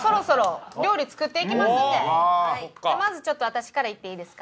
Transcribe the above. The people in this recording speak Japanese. まずちょっと私からいっていいですか？